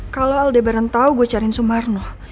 kalau aldebaran tau gue cariin sumarno